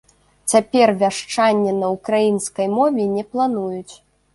Цяпер вяшчанне на ўкраінскай мове не плануюць.